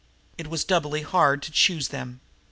It was doubly hard to choose them.